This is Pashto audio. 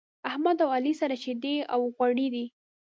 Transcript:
احمد او علي سره شيدې او غوړي دی.